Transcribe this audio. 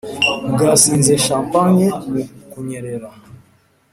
bwasinze champagne mu kunyerera